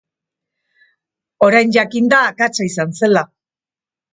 Orain jakin da akatsa izan zela.